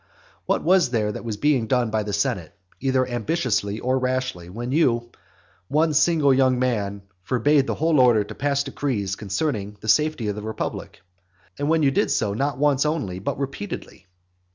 What was there that was being done by the senate either ambitiously or rashly, when you, one single young man, forbade the whole order to pass decrees concerning the safety of the republic? and when you did so, not once only, but repeatedly?